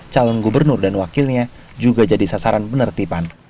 calon gubernur dan wakilnya juga jadi sasaran penertiban